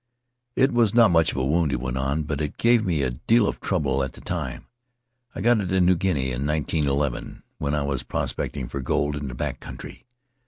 "It was not much of a wound," he went on, "but it gave me a deal of trouble at the time. I got it in New Guinea in nineteen eleven, when I was prospecting for gold in the back country.